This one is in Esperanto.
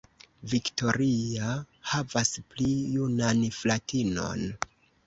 Victoria havas pli junan fratinon.